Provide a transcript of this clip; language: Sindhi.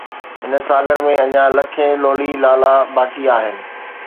هن ساگر ۾ اڃا لکين لولي لالا باقي آهن